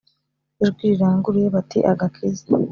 ijwi riranguruye bati agakiza